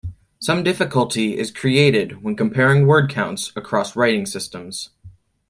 Some difficulty is created when comparing word counts across writing systems.